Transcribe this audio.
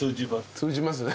通じますね。